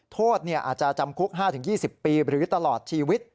โทษอาจจะจำคุก๕๒๐ปีหรือตลอดชีวิต